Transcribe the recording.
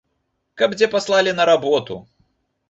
Каб дзе паслалі на работу.